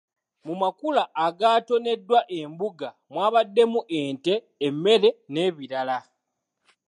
Mu makula agaatoneddwa embuga mwabaddemu ente, emmere n'ebirala.